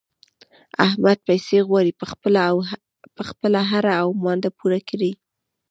احمد پيسې غواړي چې خپله اړه و مانده پوره کړي.